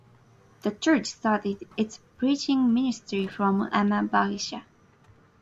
The church started its preaching ministry from Ama Bagicha.